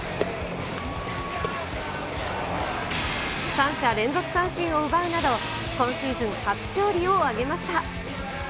三者連続三振を奪うなど、今シーズン初勝利を挙げました。